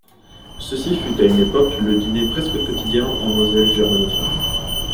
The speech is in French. Ceci fut à une époque le dîner presque quotidien en Moselle germanophone.